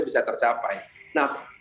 bisa tercapai nah